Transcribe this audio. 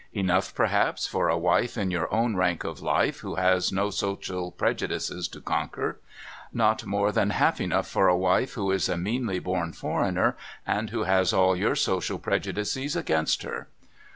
Enough, perhaps, for a wife in your own rank of life, who has no social prejudices to conquer. Not more than half enough for a wife who is a meanly born foreigner, and who has all your social prejudices against her."